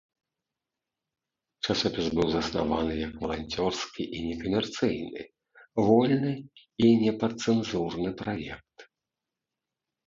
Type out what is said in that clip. Часопіс быў заснаваны як валанцёрскі і некамерцыйны, вольны і непадцэнзурны праект.